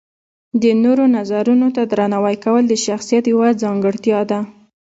د نورو نظرونو ته درناوی کول د شخصیت یوه ځانګړتیا ده.